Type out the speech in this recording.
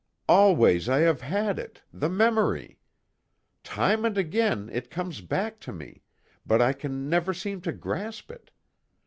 "Always I have had it the memory. Time and time again it comes back to me but I can never seem to grasp it.